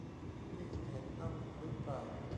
นี่ คุณเห็นนั่นรึเปล่า